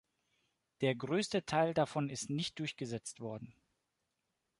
Der größte Teil davon ist nicht durchgesetzt worden.